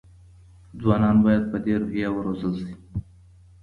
ځوانان باید په دې روحیه وروزل شي.